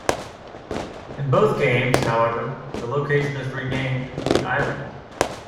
In both games, however, the location is renamed "The Island".